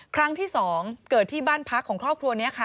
ครั้งที่๒เกิดที่บ้านพักของครอบครัวนี้ค่ะ